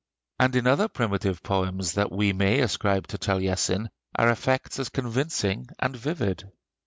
And in other primitive poems that we may ascribe to Taliesin are effects as convincing and vivid.